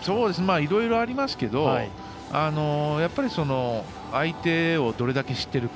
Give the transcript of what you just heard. いろいろありますけど相手をどれだけ知っているか。